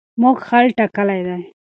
موږ حل ټاکلی دی.